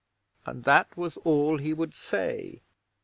And that was all he would say.